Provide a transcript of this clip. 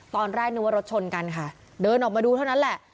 ตอนแรกนึกว่ารถชนกันค่ะเดินออกมาดูเท่านั้นแหละ